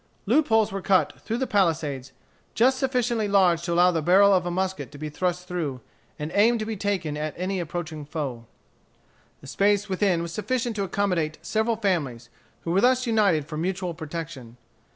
Loop holes were cut through the palisades, just sufficiently large to allow the barrel of a musket to be thrust through, and aim to be taken at any approaching foe. The space within was sufficient to accommodate several families, who were thus united for mutual protection.